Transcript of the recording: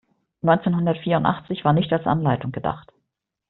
Neunzehnhundertvierundachtzig war nicht als Anleitung gedacht.